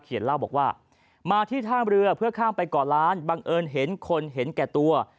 เล่าบอกว่ามาที่ท่ามเรือเพื่อข้ามไปก่อล้านบังเอิญเห็นคนเห็นแก่ตัว